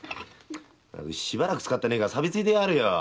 しばらく使ってねえから錆びついてやがるよ。